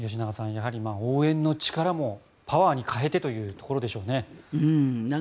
やはり応援の力もパワーに変えてというところでしょうね。